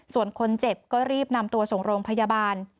ส่วนคนเจ็บก็รีบนำตัวส่งโรงพยาบาล